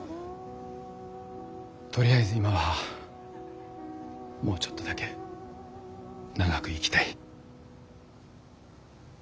とりあえず今はもうちょっとだけ長く生きたい。